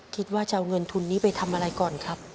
คิดว่าจะเอาเงินทุนนี้ไปทำอะไรก่อนครับ